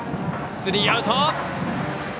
スリーアウト。